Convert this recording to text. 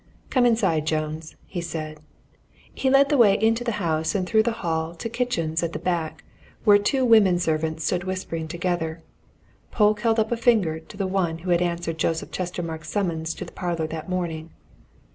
"Come inside, Jones," he said. He led the way into the house and through the hall to the kitchens at the back, where two women servants stood whispering together. Polke held up a finger to the one who had answered Joseph Chestermarke's summons to the parlour that morning.